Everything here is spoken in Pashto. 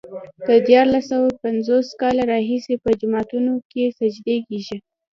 د دیارلس سوه پنځوس کاله راهيسې په جوماتونو کې سجدې کېږي.